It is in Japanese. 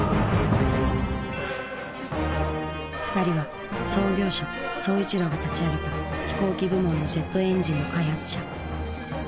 ２人は創業者宗一郎が立ち上げた飛行機部門のジェットエンジンの開発者。